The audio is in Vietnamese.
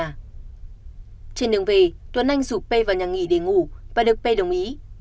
trên đường về tuấn anh rủ p vào nhà nghỉ để ngủ và được p đồng ý